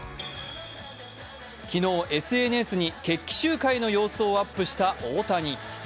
昨日、ＳＮＳに決起集会の様子をアップした大谷。